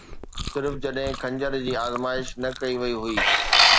صرف جڏهن خنجر جي آزمائش نه ڪئي وئي هئي